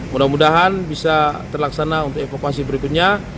mudah mudahan bisa terlaksana untuk evakuasi berikutnya